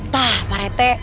tah pak rt